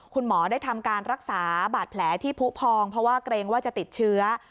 คุณหมอได้ทำการรักษาบาดแผลที่ผู้พองเพราะว่าเกรงว่าจะติดเชื้อ